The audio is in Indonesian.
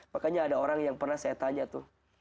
makanya ada orang yang pernah saya tanya tuh